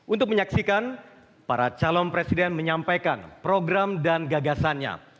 untuk menyaksikan para calon presiden menyampaikan program dan gagasannya